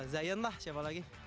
zion lah siapa lagi